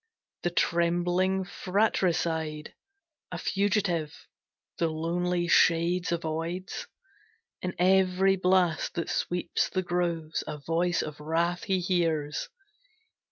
The trembling fratricide, a fugitive, The lonely shades avoids; in every blast That sweeps the groves, a voice of wrath he hears.